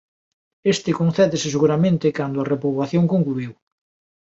Este concédese seguramente cando a repoboación concluíu.